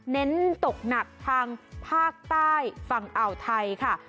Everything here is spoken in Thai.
เน้นตกหนักทางภาคใต้ฝั่งอ่าวไทยค่ะ